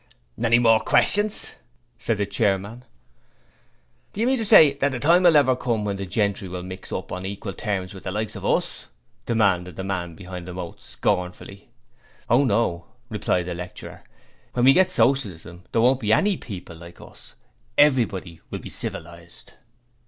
'Any more questions?' said the chairman. 'Do you mean to say as the time will ever come when the gentry will mix up on equal terms with the likes of us?' demanded the man behind the moat, scornfully. 'Oh, no,' replied the lecturer. When we get Socialism there won't be any people like us. Everybody will be civilized.'